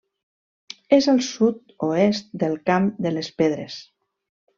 És al sud-oest del Camp de les Pedres.